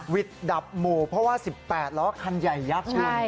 วิทย์ดับหมู่เพราะว่า๑๘ล้อคันใหญ่ยักษ์